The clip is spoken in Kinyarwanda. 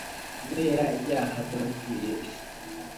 Kubera ibyaha by’abatuye isi,